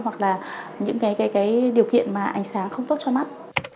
hoặc là những cái điều kiện mà ánh sáng không tốt cho mắt